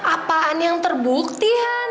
apaan yang terbukti han